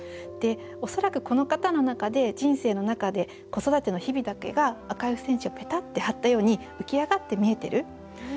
恐らくこの方の中で人生の中で子育ての日々だけがあかい付箋紙をペタッて貼ったように浮き上がって見えてる。